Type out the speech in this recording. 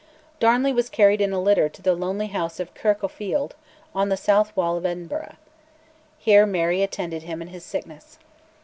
Darnley was carried in a litter to the lonely house of Kirk o' Field, on the south wall of Edinburgh. Here Mary attended him in his sickness.